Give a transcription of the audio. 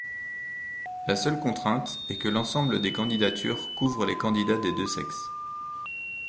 La seule contrainte est que l'ensemble des candidatures couvre les candidats des deux sexes.